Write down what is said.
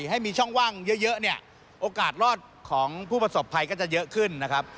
ให้มีช่องว่างเยอะเนี่ยโอกาสรอดของผู้ประสบภัยก็จะเยอะขึ้นนะครับ